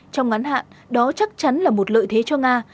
trong ngắn hạn đó chắc chắn là một lợi thế cho nga